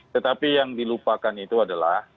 tetapi yang dilupakan itu adalah